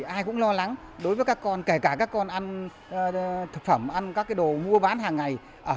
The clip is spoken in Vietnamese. ai cũng lo lắng đối với các con kể cả các con ăn thực phẩm ăn các đồ mua bán hàng ngày